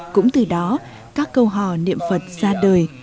cũng từ đó các câu hò niệm phật ra đời